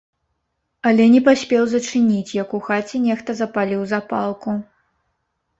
Але не паспеў зачыніць, як у хаце нехта запаліў запалку.